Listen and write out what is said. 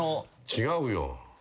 違うよ。